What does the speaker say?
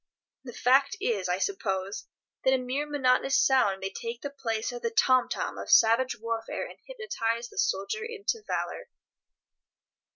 The fact is, I suppose, that a mere monotonous sound may take the place of the tom tom of savage warfare, and hypnotize the soldier into valour.